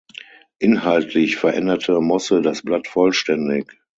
Inhaltlich veränderte Mosse das Blatt vollständig.